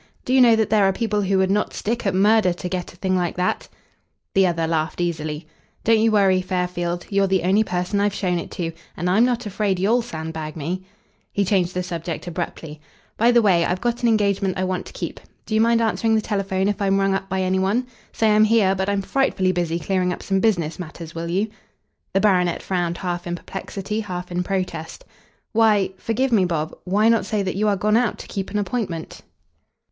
Do you know that there are people who would not stick at murder to get a thing like that?" The other laughed easily. "Don't you worry, Fairfield. You're the only person I've shown it to, and I'm not afraid you'll sandbag me." He changed the subject abruptly. "By the way, I've got an engagement I want to keep. Do you mind answering the telephone if I'm rung up by any one? Say I'm here, but I'm frightfully busy clearing up some business matters, will you?" The baronet frowned half in perplexity, half in protest. "Why forgive me, Bob why not say that you are gone out to keep an appointment?"